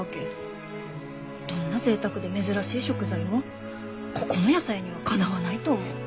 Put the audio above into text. どんなぜいたくで珍しい食材もここの野菜にはかなわないと思う。